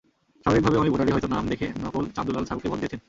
স্বাভাবিকভাবে অনেক ভোটারই হয়তো নাম দেখে নকল চান্দুুলাল সাহুকে ভোট দিয়েছেন।